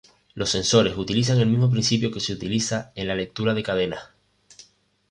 Los sensores utilizan el mismo principio que se utiliza en la lectura de cadenas.